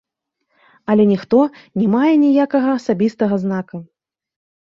Але ніхто не мае ніякага асабістага знака.